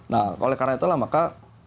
nah oleh karena itulah maka